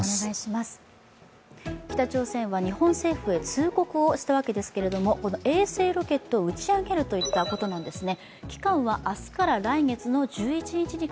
北朝鮮は日本政府へ通告をしたわけですけども、衛星ロケットを打ち上げるといったことなんですね。